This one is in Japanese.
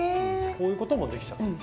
こういうこともできちゃう。